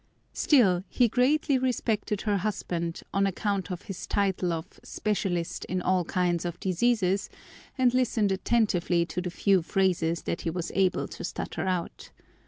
Still, he greatly respected her husband on account of his title of specialist in all kinds of diseases and listened attentively to the few phrases that he was able to stutter out.